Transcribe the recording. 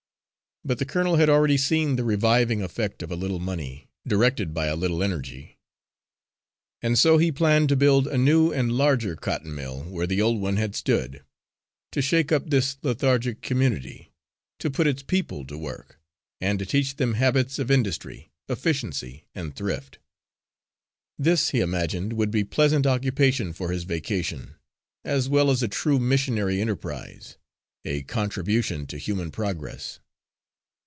But the colonel had already seen the reviving effect of a little money, directed by a little energy. And so he planned to build a new and larger cotton mill where the old had stood; to shake up this lethargic community; to put its people to work, and to teach them habits of industry, efficiency and thrift. This, he imagined, would be pleasant occupation for his vacation, as well as a true missionary enterprise a contribution to human progress.